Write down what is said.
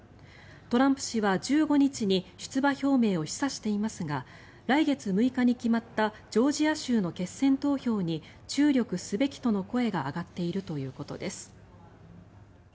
トランプ氏は１５日に出馬表明を示唆していますが来月６日に決まったジョージア州の決選投票に注力すべきとの声が上がっているということです。